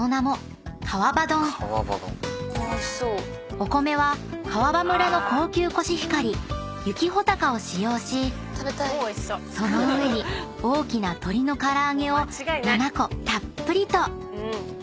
［お米は川場村の高級コシヒカリ雪ほたかを使用しその上に大きな鶏の唐揚げを７個たっぷりと］